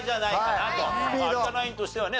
有田ナインとしてはね